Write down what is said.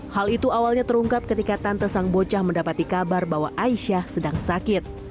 hal itu awalnya terungkap ketika tante sang bocah mendapati kabar bahwa aisyah sedang sakit